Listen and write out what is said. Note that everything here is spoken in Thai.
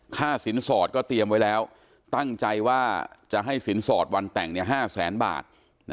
ค่าสินสอดก็เตรียมไว้แล้วตั้งใจว่าจะให้สินสอดวันแต่ง๕แสนบาท